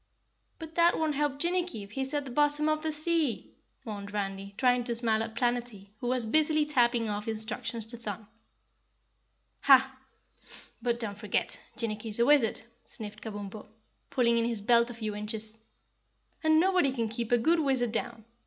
"But that won't help Jinnicky if he's at the bottom of the sea," mourned Randy, trying to smile at Planetty, who was busily tapping off instructions to Thun. "Hah! but don't forget, Jinnicky's a wizard," sniffed Kabumpo, pulling in his belt a few inches, "and nobody can keep a good wizard down.